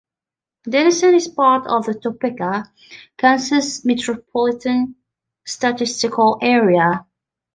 Denison is part of the Topeka, Kansas Metropolitan Statistical Area.